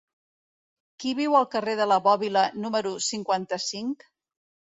Qui viu al carrer de la Bòbila número cinquanta-cinc?